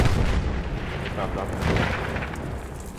To nieprawda